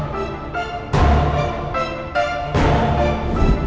ternyata kamu orang yang